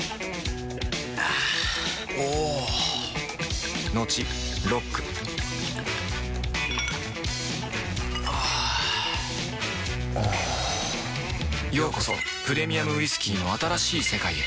あぁおぉトクトクあぁおぉようこそプレミアムウイスキーの新しい世界へ